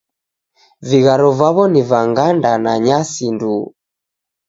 Vigharo vawo ni va nganda na nyasi ndu